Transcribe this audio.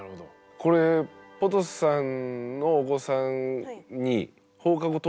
これポトスさんのお子さんに放課後等